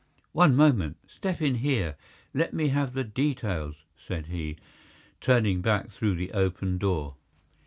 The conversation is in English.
"One moment! Step in here! Let me have the details!" said he, turning back through the open door.